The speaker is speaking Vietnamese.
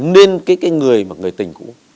nên cái người tình cũ